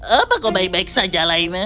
apa kau baik baik saja laima